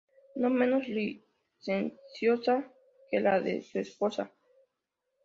No menos licenciosa que la de su esposa.